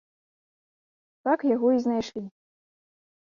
Так яго і знайшлі.